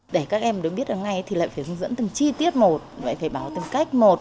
để các em đứng biết ngay thì lại phải hướng dẫn từng chi tiết một lại phải bảo từng cách một